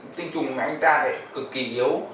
tinh trùng của anh ta lại cực kì yếu